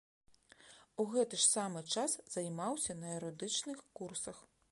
У гэты ж самы час займаўся на юрыдычных курсах.